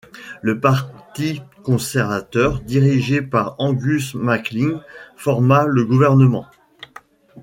Le Parti conservateur dirigé par Angus MacLean forma le gouvernement.